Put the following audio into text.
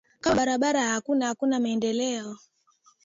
kama barabara hakuna hakuna maendeleo